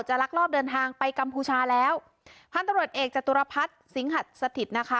จะลักรอบเดินทางไปกัมพูชาแล้วพ่อนตรวจเอกจตุรพัทสิงหัสธิตนะคะ